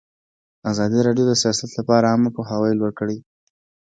ازادي راډیو د سیاست لپاره عامه پوهاوي لوړ کړی.